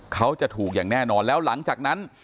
เขาจะถูกอย่างแน่นอนแล้วหลังจากนั้น